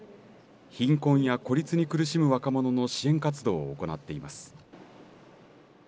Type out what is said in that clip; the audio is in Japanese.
貧困や孤立に苦しむ若者の支援活動を行っています。